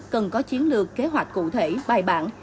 cần có chiến lược kế hoạch cụ thể bài bản